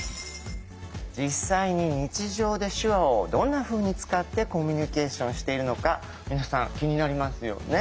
実際に日常で手話をどんなふうに使ってコミュニケーションしているのか皆さん気になりますよね。